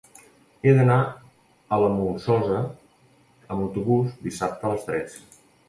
He d'anar a la Molsosa amb autobús dissabte a les tres.